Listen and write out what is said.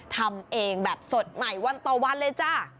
ทำเองแบบสดใหม่วันต่อวันเลยจ้า